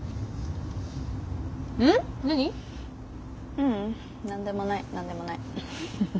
ううん。何でもない何でもない。